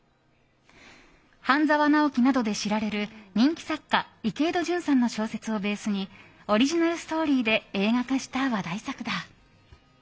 「半沢直樹」などで知られる人気作家・池井戸潤さんの小説をベースにオリジナルストーリーで映画化した話題作だ。